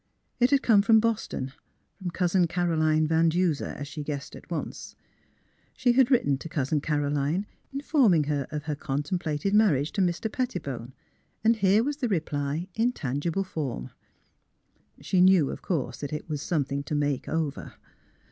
It had come from Boston — from Cousin Caroline Van Duser, as she guessed at 54 THE HEART OF PHILURA once. She had written to Cousin Caroline, in forming her of her contemplated marriage to Mr. Pettibone, and here was the reply, in tangible form. She knew of course that it was something to make over.